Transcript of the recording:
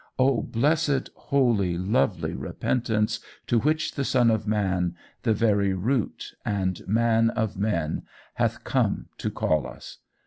O blessed, holy, lovely repentance to which the Son of Man, the very root and man of men, hath come to call us!